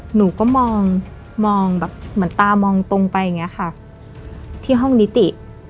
หนูก็มองมองแบบเหมือนตามองตรงไปอย่างนี้ค่ะที่ห้องนิติ